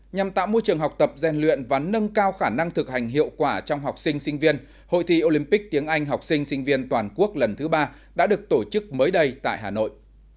nhằm tạo môi trường học tập gian luyện và nâng cao khả năng thực hành hiệu quả trong học sinh sinh viên hội thi olympic tiếng anh học sinh sinh viên toàn quốc lần thứ ba đã được tổ chức mới đây tại hà nội